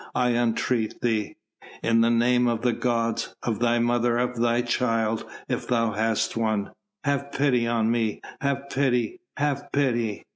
I entreat thee! In the name of the gods, of thy mother, of thy child if thou hast one, have pity on me! have pity! have pity!"